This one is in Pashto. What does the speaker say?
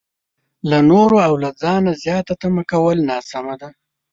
له نورو او له ځانه زياته تمه کول ناسمه ده.